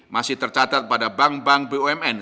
masih tercatat pada bank bank bumn